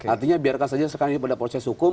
artinya biarkan saja sekarang ini pada proses hukum